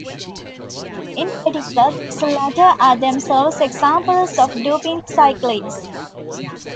In particular, these latter are themselves examples of Dupin cyclides.